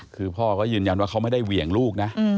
คือพ่อก็ยืนยันว่าเขาไม่ได้เหวี่ยงลูกนะ